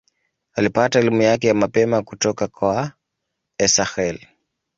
Alipata elimu yake ya mapema kutoka kwa Esakhel.